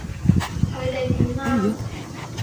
佢哋點啊？